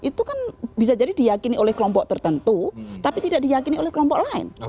itu kan bisa jadi diyakini oleh kelompok tertentu tapi tidak diyakini oleh kelompok lain